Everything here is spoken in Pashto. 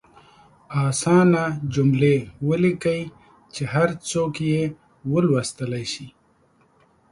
اسانه جملې ولیکئ چې هر څوک یې ولوستلئ شي.